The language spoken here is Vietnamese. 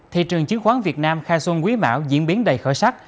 thị trường chứng khoán việt nam khai xuân quý mão diễn biến đầy khởi sắc